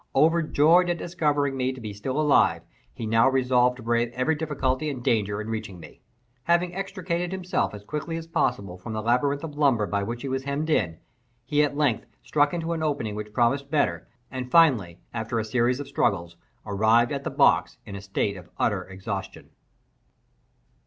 Overjoyed at discovering me to be still alive, he now resolved to brave every difficulty and danger in reaching me. Having extricated himself as quickly as possible from the labyrinth of lumber by which he was hemmed in, he at length struck into an opening which promised better, and finally, after a series of struggles, arrived at the box in a state of utter exhaustion.